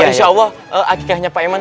insya allah akikahnya pak eman